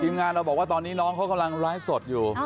งานเราบอกว่าตอนนี้น้องเขากำลังไลฟ์สดอยู่